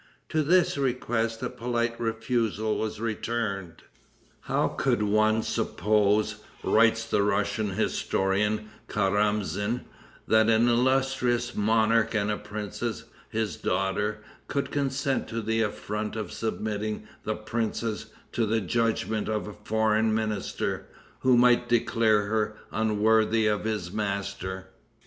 To this request a polite refusal was returned. "How could one suppose," writes the Russian historian Karamsin, "that an illustrious monarch and a princess, his daughter, could consent to the affront of submitting the princess to the judgment of a foreign minister, who might declare her unworthy of his master?"